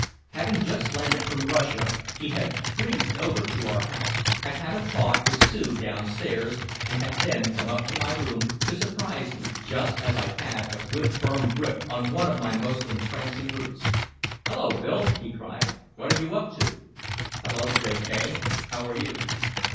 Having just landed from Russia, he had "breezed over" to our house, had had a talk with Sue downstairs and had then come up to my room to surprise me just as I had a good firm grip on one of my most entrancing roots. "Hello, Bill," he cried. "What are you up to?" "Hello, J. K. How are you?"